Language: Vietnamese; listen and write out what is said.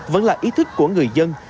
vẫn là ý thức của người dân